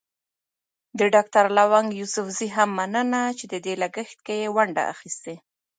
د ډاکټر لونګ يوسفزي هم مننه چې د دې لګښت کې يې ونډه اخيستې.